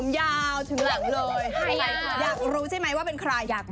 อยากรู้ใช่มั้ยว่าเป็นใคร